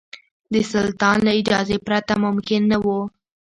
د سلطان له اجازې پرته ممکن نه وو.